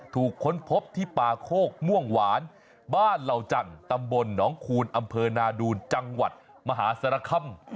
ค้นพบที่ป่าโคกม่วงหวานบ้านเหล่าจันทร์ตำบลหนองคูณอำเภอนาดูนจังหวัดมหาสารคำ